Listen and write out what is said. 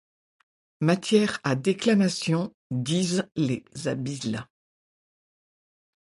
Matière à déclamations, disent les habiles.